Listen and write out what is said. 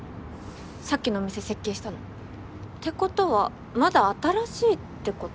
さっきのお店設計したの。ってことはまだ新しいってこと？